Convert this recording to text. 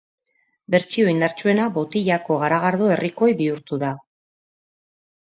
Bertsio indartsuena botilako garagardo herrikoi bihurtu da.